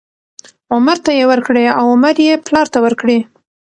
عمر ته یې ورکړې او عمر یې پلار ته ورکړې،